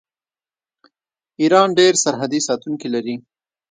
ایران ډیر سرحدي ساتونکي لري.